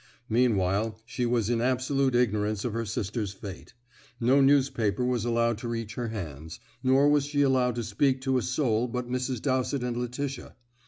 Meanwhile she was in absolute ignorance of her sister's fate; no newspaper was allowed to reach her hands, nor was she allowed to speak to a soul but Mrs. Dowsett and Letitia.